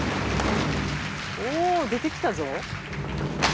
おお出てきたぞ。